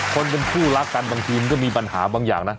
คนเป็นคู่รักกันบางทีมันก็มีปัญหาบางอย่างนะ